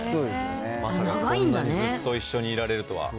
まさかこんなにずっと一緒にいられるとは。